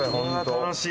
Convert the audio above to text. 楽しい。